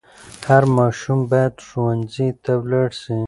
هر ماشوم باید ښوونځي ته ولاړ سي.